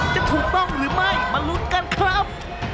จะถูกต้องหรือไม่มาลุ้นกันครับ